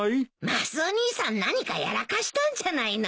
マスオ兄さん何かやらかしたんじゃないの？